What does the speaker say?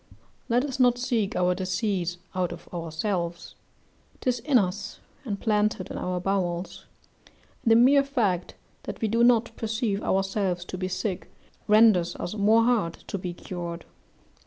Let us not seek our disease out of ourselves; 'tis in us, and planted in our bowels; and the mere fact that we do not perceive ourselves to be sick, renders us more hard to be cured.